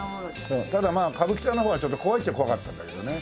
ただまあ歌舞伎町の方はちょっと怖いっちゃ怖かったんだけどね。